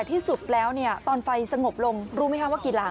ที่สุดแล้วใต้ไฟถ้างบลงรู้ไหมฮะว่า๑๒ลำค่ะ